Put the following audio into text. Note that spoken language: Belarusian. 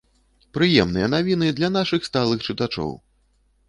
Прыемныя навіны для нашых сталых чытачоў!